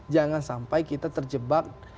jangan sampai kita terjebak